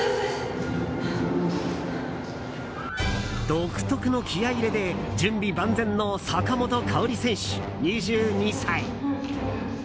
独特の気合入れで準備万全の坂本花織選手、２２歳。